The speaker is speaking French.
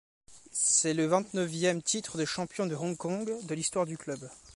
C'est le vingt-neuvième titre de champion de Hong Kong de l'histoire du club.